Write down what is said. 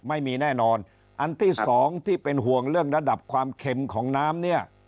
ไม่มีแน่นอนอันที่สองที่เป็นห่วงเรื่องระดับความเข็มของน้ำเนี่ย